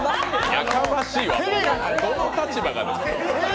やかましいわ、どの立場が。